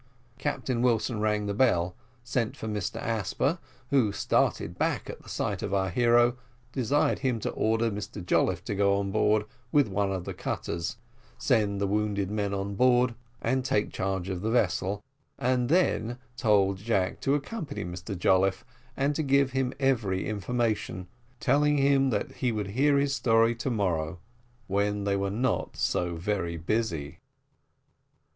Captain Wilson rang the bell, sent for Mr Asper, who started back at the sight of our hero desired him to order Mr Jolliffe to go on board with one of the cutters, send the wounded men on board, and take charge of the vessel, and then told Jack to accompany Mr Jolliffe, and to give him every information; telling him that he would hear his story to morrow, when they were not so very busy.